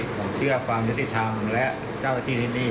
ผมเชื่อความยุติธรรมและเจ้าหน้าที่ที่นี่